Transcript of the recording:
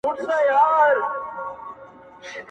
د مجسمې انځور هر ځای ځوړند ښکاري,